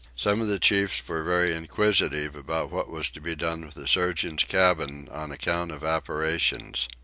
Some of the chiefs were very inquisitive about what was to be done with the surgeon's cabin on account of apparitions.